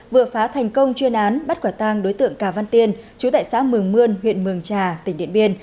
vừa phá thành công chuyên án bắt quả tang đối tượng cà văn tiên chú tại xã mường mươn huyện mường trà tỉnh điện biên